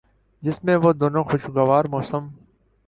جس میں وہ دونوں خوشگوار موسم